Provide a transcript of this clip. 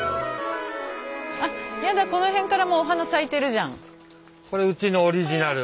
あっやだこの辺からもうお花咲いてるじゃん。